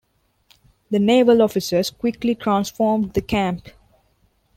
The naval officers quickly transformed the camp.